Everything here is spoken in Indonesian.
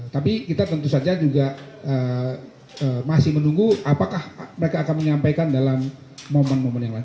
tapi kita tentu saja juga masih menunggu apakah mereka akan menyampaikan dalam momen momen yang lain